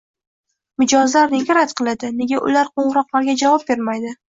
mijozlar nega rad qiladi, nega ular qoʻngʻiroqlarga javob bermaydi